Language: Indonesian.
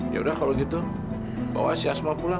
yaudah kalau gitu bawa si asma pulang